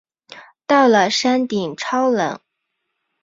到了山顶超冷